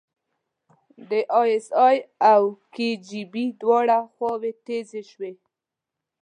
د ای اس ای او کي جی بي دواړه خواوې تیزې شوې.